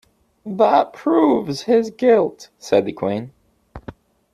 ‘That proves his guilt,’ said the Queen.